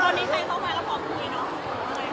ตอนนี้ใช่เข้ามาแล้วพอคุยเนอะ